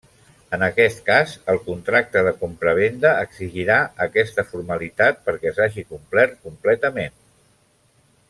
En aquest cas el contracte de compravenda exigirà aquesta formalitat perquè s'hagi complert completament.